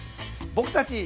僕たち。